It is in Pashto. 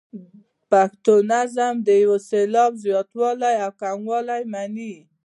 پښتو نظم د یو سېلاب زیاتوالی او کموالی مني.